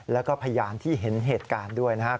แล้วก็พยานที่เห็นเหตุการณ์ด้วยนะครับ